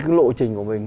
cái lộ trình của mình